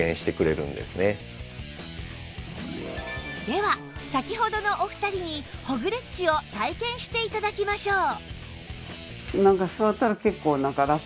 では先ほどのお二人にホグレッチを体験して頂きましょう